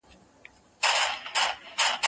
هغه څوک چي واښه راوړي منظم وي!.